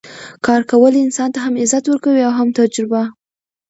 کار کول انسان ته هم عزت ورکوي او هم تجربه